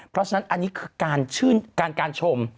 เพราะฉะนั้นอันนี้คือการชื่นการชม